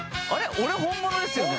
俺本物ですよね？